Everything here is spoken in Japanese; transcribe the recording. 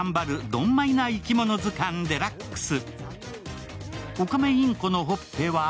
どんまいないきもの図鑑ＤＸ」。